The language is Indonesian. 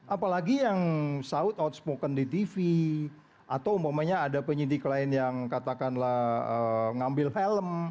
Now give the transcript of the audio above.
apalagi yang saud outspoken di tv atau umpamanya ada penyidik lain yang katakanlah ngambil helm